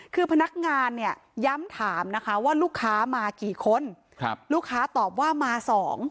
คือพนักงานเนี่ยย้ำถามนะคะว่าลูกค้ามากี่คนครับลูกค้าตอบว่ามาสอง